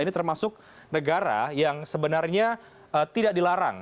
ini termasuk negara yang sebenarnya tidak dilarang